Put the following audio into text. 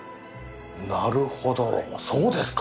なるほどそうですか。